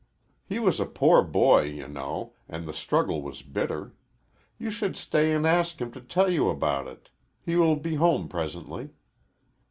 He was a poor boy, you know, and the struggle was bitter. You should stay and ask him to tell you about it. He will be home presently."